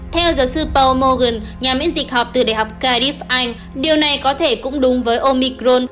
theo giáo sư pow morgan nhà miễn dịch học từ đại học cudif anh điều này có thể cũng đúng với omicron